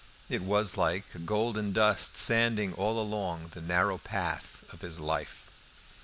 It was like a golden dust sanding all along the narrow path of his life.